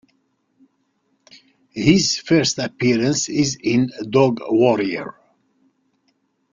His first appearance is in "Dog Warrior".